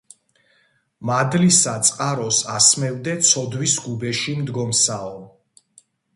მადლისა წყაროს ასმევდე ცოდვის გუბეში მდგომსაო